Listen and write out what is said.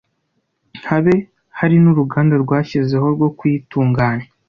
habe hari n’uruganda rwashyizweho rwo kuyitunganya